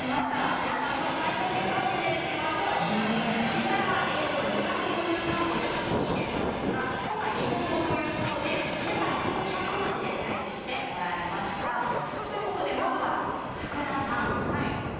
実際は英語２５０単語で書く試験なんですが今回日本語ということで皆さんには５００文字で書いてきてもらいました。ということでまずは福田さん。